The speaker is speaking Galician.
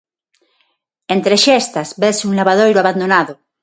Entre xestas vese un lavadoiro abandonado.